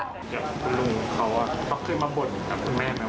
คุณลุงเขาเข้าขึ้นมาบ่นกับคุณแม่ไหม